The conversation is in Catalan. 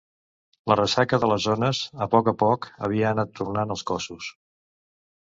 La ressaca de les ones, a poc a poc, havia anat tornant els cossos.